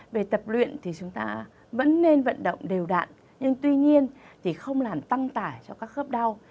về tập luyện thì chúng ta vẫn nên vận động đều đạn nhưng tuy nhiên thì không làm tăng tải cho các khớp đau